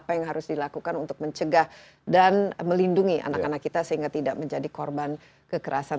apa yang harus dilakukan untuk mencegah dan melindungi anak anak kita sehingga tidak menjadi korban kekerasan